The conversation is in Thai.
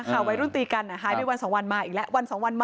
ข่าวไวรุ้นตีกันหายไปวัน๒วันมาอีกแล้ว